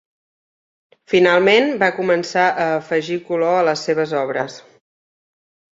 Finalment, va començar a afegir color a les seves obres.